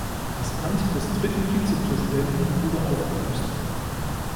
Das Amt des dritten Vizepräsidenten wurde aufgelöst.